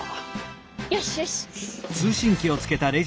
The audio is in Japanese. よしよし。